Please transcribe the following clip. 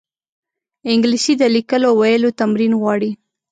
انګلیسي د لیکلو او ویلو تمرین غواړي